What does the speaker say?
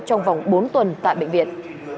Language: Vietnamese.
trong vòng bốn tuần tại bệnh viện